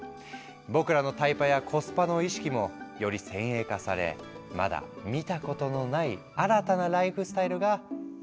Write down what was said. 僕らのタイパやコスパの意識もより先鋭化されまだ見たことのない新たなライフスタイルが実現していくのかもしれないね。